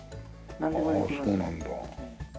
あっそうなんだ。